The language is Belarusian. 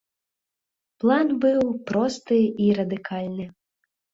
План быў просты і радыкальны.